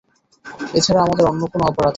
এছাড়া আমাদের অন্য কোন অপরাধ নেই।